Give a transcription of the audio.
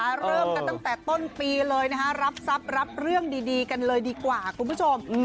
เริ่มกันตั้งแต่ต้นปีเลยนะคะรับทรัพย์รับเรื่องดีกันเลยดีกว่าคุณผู้ชม